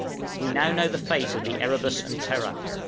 We now know the fate of the 'Erebus' and 'Terror.'